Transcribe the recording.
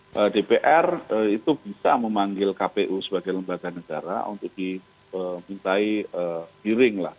bahwa dpr itu bisa memanggil kpu sebagai lembaga negara untuk dimintai hearing lah